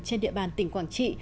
trên địa bàn tỉnh quảng trị